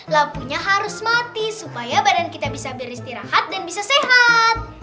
lampunya harus mati supaya badan kita bisa beristirahat dan bisa sehat